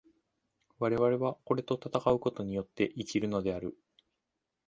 我々はこれと戦うことによって生きるのである。